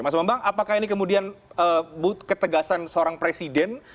mas bambang apakah ini kemudian ketegasan seorang presiden